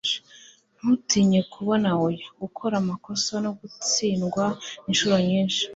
Ntutinye kubona oya, gukora amakosa no gutsindwa inshuro nyinshi.